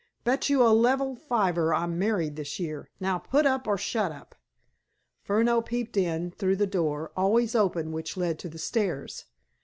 "Bet you a level fiver I'm married this year. Now, put up or shut up!" Furneaux peeped in, through a door, always open, which led to the stairs.